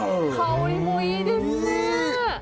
香りもいいですね！